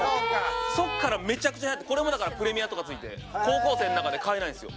そっからめちゃくちゃはやってこれもプレミアとかついて高校生んなかで買えないんすよ